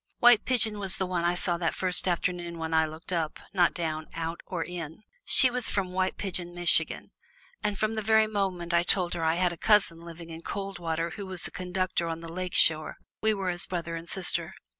White Pigeon was the one I saw that first afternoon when I looked up, not down, out, not in. She was from White Pigeon, Michigan, and from the very moment I told her I had a cousin living at Coldwater who was a conductor on the Lake Shore, we were as brother and sister.